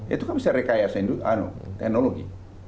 itu kan bisa rekayasain di teknologi